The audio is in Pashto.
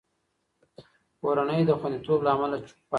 کورنۍ د خوندیتوب له امله چوپ پاتې کېږي.